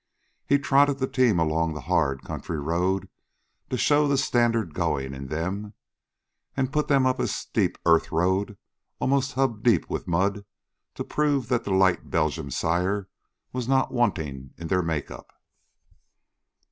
He trotted the team along the hard county road to show the standard going in them, and put them up a steep earthroad, almost hub deep with mud, to prove that the light Belgian sire was not wanting in their make up.